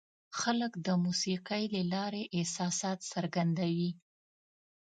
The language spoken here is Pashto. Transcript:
خلک د موسیقۍ له لارې احساسات څرګندوي.